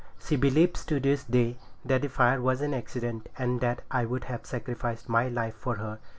She believes to this day the fire was an accident, and that I would have sacrificed my life for her.